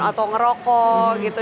atau ngerokok gitu